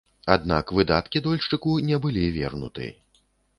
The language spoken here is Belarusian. Аднак выдаткі дольшчыку не былі вернуты.